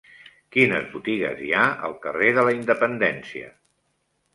Quines botigues hi ha al carrer de la Independència?